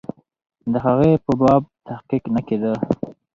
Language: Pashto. د هغې په باب تحقیق نه کېده.